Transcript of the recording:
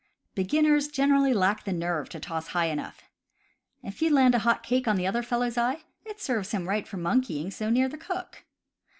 Beginners generally lack the nerve to toss high enough. If you land a hot cake on the other fellow's eye, it serves him right for monkeying so near the cook.